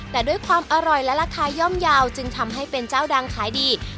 แต่ด้วยความอร่อยและราคาย่อมเยาว์จึงทำให้เป็นเจ้าดังขายดี